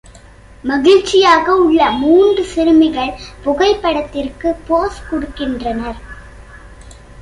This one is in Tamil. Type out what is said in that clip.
மகிழ்ச்சியாக உள்ள மூன்று சிறுமிகள் புகைப்படத்திற்கு போஸ் கொடுக்கின்றனர்.